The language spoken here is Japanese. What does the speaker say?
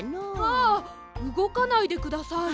あうごかないでください。